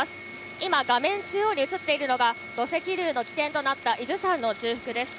今、画面中央に写っているのが、土石流の起点となった伊豆山の中腹です。